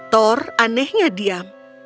thor anehnya diam